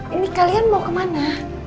ini kalian mau kemana